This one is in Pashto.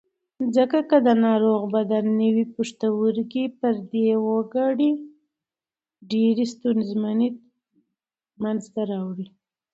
ځکه که د ناروغ بدن نوی پښتورګی پردی وګڼي ډېرې ستونزې منځ ته راوړي.